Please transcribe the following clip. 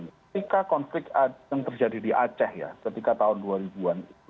ketika konflik yang terjadi di aceh ya ketika tahun dua ribu an itu